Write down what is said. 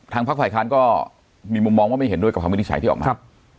พักฝ่ายค้านก็มีมุมมองว่าไม่เห็นด้วยกับคำวินิจฉัยที่ออกมา